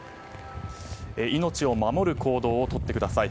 命を守る行動をとってください。